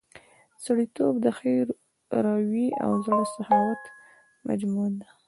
سړیتوب د ښې رويې او د زړه سخاوت مجموعه ده.